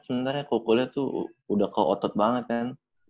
sebenernya kalo kuliah tuh udah ke otot banget kan